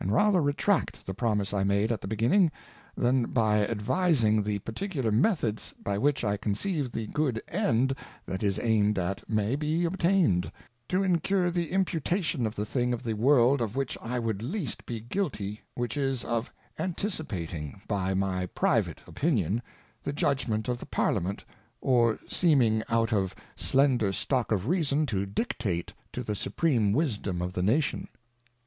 rather jcetra^ct the Promise I made at the beginning, than by advising the particular Methods by which I conceive the good End that is aimed at may be obtained, to incur the Imputation of the thing o£ the World of which I would least be guilty, which is of anticipating, by my private Opinion, the Judgment of the Parliamentj_or_ / seeming of a New Model at Sea, 1694. 179 seeming out of my slender Stock of Reason to dictate tP the Supream Wisdom oLthe Nation.